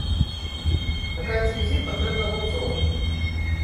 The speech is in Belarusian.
Чакаецца візіт патрэбнага ўзроўню.